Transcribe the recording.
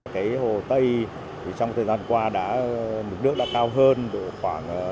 thế hồ tây thì trong thời gian qua đã mực nước đã cao hơn khoảng